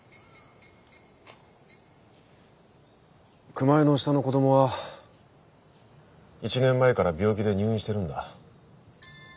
熊井の下の子どもは１年前から病気で入院してるんだ。